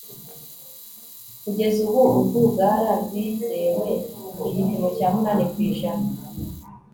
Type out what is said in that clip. kugeza ubu urwugara rwizewe ku gipimo cya munani ku ijana